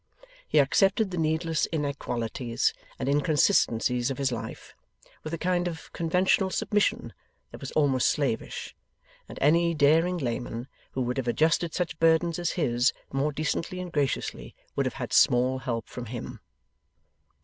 He accepted the needless inequalities and inconsistencies of his life, with a kind of conventional submission that was almost slavish; and any daring layman who would have adjusted such burdens as his, more decently and graciously, would have had small help from him.